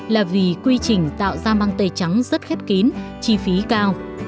là vì quy trình tạo ra mang tây trắng rất khép kín chi phí cao